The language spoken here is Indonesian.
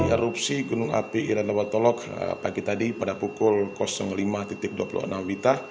erupsi gunung api iranowatolog pagi tadi pada pukul lima dua puluh enam wita